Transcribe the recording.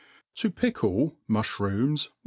To pickle Mujhrooms Whiu.